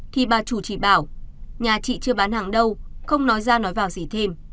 khi bà chủ chỉ bảo nhà chị chưa bán hàng đâu không nói ra nói vào gì